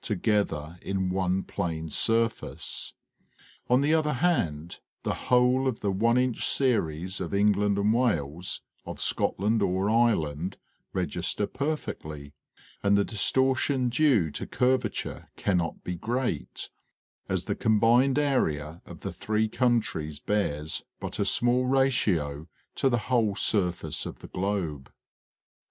together in one plane surface. On the other hand, the whole of the one inch series of England and Wales of Scotland or Ireland register perfectly, and the distortion due to curvature cannot be great, as the combined area of the three countries bears but a small ratio to the whole surface of the globe.